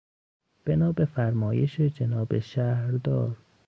بنا به فرمایش جناب شهردار